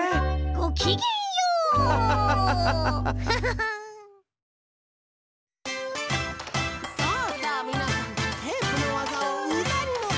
ごきげんよう！「」「」「」「」「」